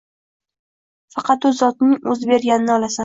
Faqat U Zotning O‘zi berganini olasan